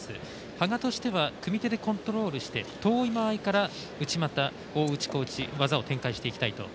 羽賀としては組み手でコントロールして遠い間合いから内股大内、小内と技を展開していきたいと。